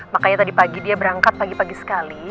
makanya tadi pagi dia berangkat pagi pagi sekali